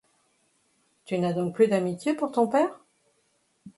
Tu n’as donc plus d’amitié pour ton père?